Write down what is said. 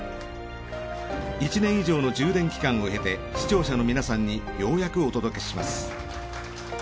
１年以上の充電期間を経て視聴者の皆さんにようやくお届けします。